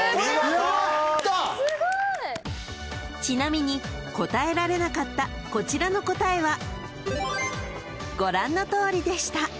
［ちなみに答えられなかったこちらの答えはご覧のとおりでした］